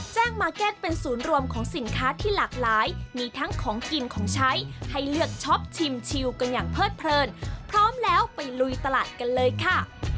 มาร์เก็ตเป็นศูนย์รวมของสินค้าที่หลากหลายมีทั้งของกินของใช้ให้เลือกช็อปชิมชิวกันอย่างเพิดเพลินพร้อมแล้วไปลุยตลาดกันเลยค่ะ